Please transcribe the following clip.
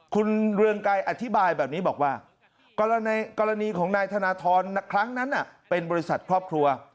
คุณเรืองไกรอธิบายแบบนี้บอกว่ากรณีของนายธนทรครั้งนั้นเป็นบริษัทครอบครัว